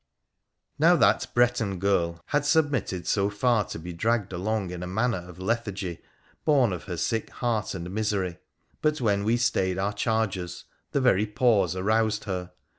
Now, that Breton girl had submitted so far to be dragged along in a manner of lethargy born of her sick heart and misery, but when we stayed our chargerB the very pause aroused her.